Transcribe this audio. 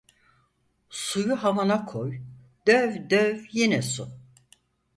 Suyu havana koy, döv döv yine su.